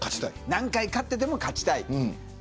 何回勝ってでも勝ちたい。